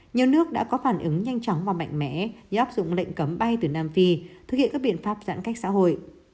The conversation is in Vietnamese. nhiều nước đã có phản ứng nhanh chóng và mạnh mẽ như áp dụng lệnh cấm bay từ nam phi thực hiện các biện pháp giãn cách xã hội